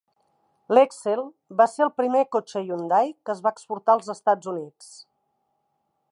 L'Excel va ser el primer cotxe Hyundai que es va exportar als Estats Units.